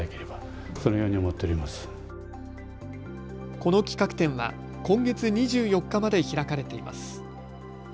この企画展は今月２４日まで開かれています。